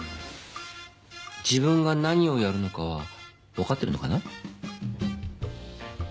自分が何をやるのか分かってるのかな？